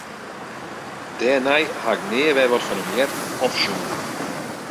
Dêrnei ha ik nea wer wat fan him heard of sjoen.